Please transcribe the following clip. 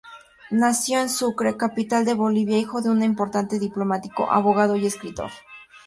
Nació en Sucre, capital de Bolivia, hijo de un importante diplomático, abogado y escritor.